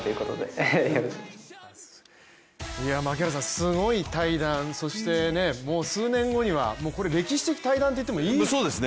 すごい対談、そしてもう数年後にはこれ、歴史的対談と言ってもいいですね。